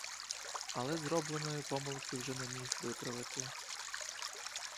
Але зробленої помилки вже не міг виправити.